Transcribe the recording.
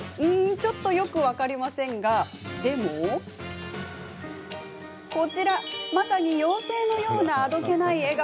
ちょっとよく分かりませんがでもこちら、まさに妖精のようなあどけない笑顔。